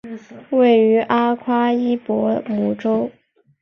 位于阿夸伊博姆州。